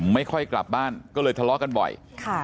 ไม่ค่อยกลับบ้านก็เลยทะเลาะกันบ่อย